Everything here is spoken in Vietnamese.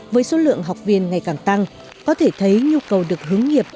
với số lượng học viên ngày càng tăng có thể thấy nhu cầu được hướng nghiệp